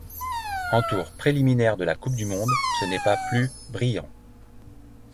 En tour préliminaires de la Coupe du monde ce n'est pas plus brillant.